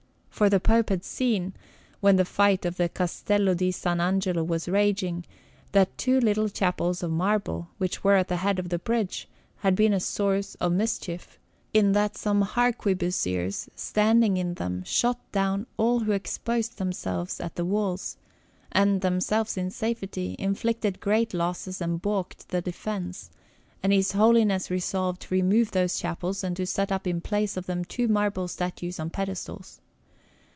For the Pope had seen, when the fight for the Castello di S. Angelo was raging, that two little chapels of marble, which were at the head of the bridge, had been a source of mischief, in that some harquebusiers, standing in them, shot down all who exposed themselves at the walls, and, themselves in safety, inflicted great losses and baulked the defence; and his Holiness resolved to remove those chapels and to set up in place of them two marble statues on pedestals.